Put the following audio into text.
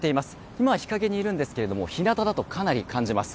今は日陰にいるんですが日なただとかなり感じます。